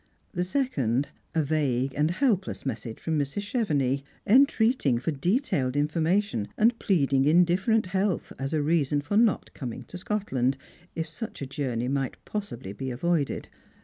Th( second, a vague and helpless message from ]\Irs. Chevenix, entreating for detailed information, and pleading indifferent health as a reason for not coming to Scotland, if such a journey might possibly be avoided.